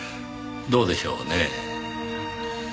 どうでしょうねぇ。